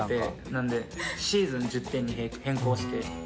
なのでシーズン１０点に変更して。